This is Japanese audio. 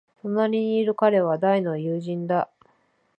隣にいる彼は大の友人だ。